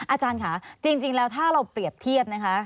อาจารย์ค่ะจริงแล้วถ้าเราเปรียบเทียบนะคะ